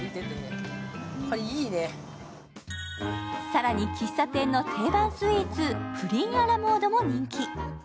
更に、喫茶店の定番スイーツ、プリンアラモードも人気。